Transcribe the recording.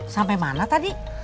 sampai mana tadi